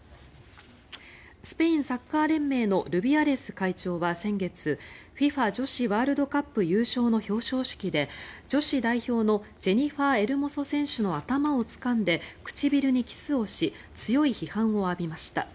スペインサッカー連盟のルビアレス会長は先月ＦＩＦＡ女子ワールドカップ優勝の表彰式で女子代表のジェニファー・エルモソ選手の頭をつかんで、唇にキスをし強い批判を浴びました。